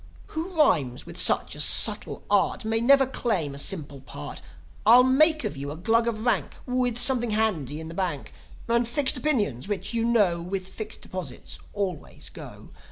"Who rhymes with such a subtle art May never claim a simple part. I'll make of you a Glug of rank, With something handy in the bank, And fixed opinions, which, you know, With fixed deposits always go.